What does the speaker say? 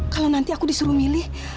kalau nanti aku disuruh milih